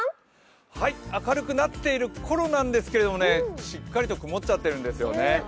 明るくなっているころなんですけれども、しっかりと曇っちゃってるんですよね。